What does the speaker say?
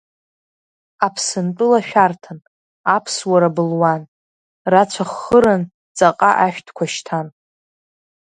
Аԥсынтәыла шәарҭан, Аԥсуара былуан, рацәа ххыран ҵаҟа ашәҭқәа шьҭан.